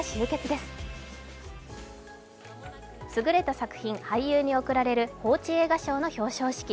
すぐれた作品・俳優に贈られる報知映画賞の表彰式。